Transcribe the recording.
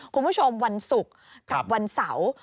คุณผู้ชมวันศุกร์กับวันเสาร์